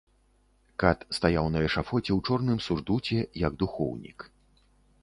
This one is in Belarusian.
Кат стаяў на эшафоце ў чорным сурдуце, як духоўнік.